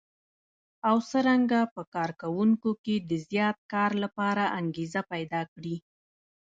او څرنګه په کار کوونکو کې د زیات کار لپاره انګېزه پيدا کړي.